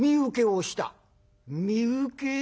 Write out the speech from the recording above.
「身請け？